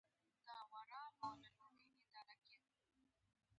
د ایران بقا او دفاع تر هر څه مقدمه ده.